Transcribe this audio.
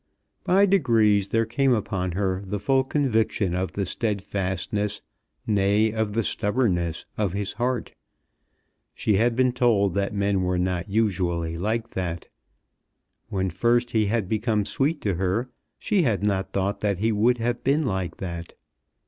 By degrees there came upon her the full conviction of the steadfastness, nay, of the stubbornness, of his heart. She had been told that men were not usually like that. When first he had become sweet to her, she had not thought that he would have been like that.